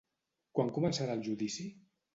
Quan començarà el judici?